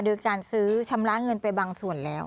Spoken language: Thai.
โดยการซื้อชำระเงินไปบางส่วนแล้ว